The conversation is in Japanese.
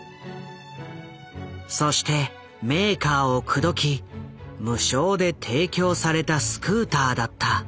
そしてメーカーを口説き無償で提供されたスクーターだった。